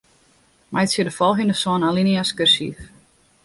Meitsje de folgjende sân alinea's kursyf.